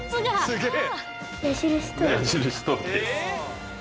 すげえ。